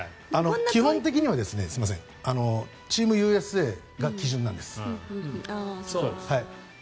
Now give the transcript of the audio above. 基本的にはチームＵＳＡが基準なんです。